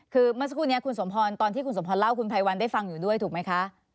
คือเมื่อสักครู่นี้คุณสมพรตอนที่คุณสมพรเล่าคุณภัยวันได้ฟังอยู่ด้วยถูกไหมคะ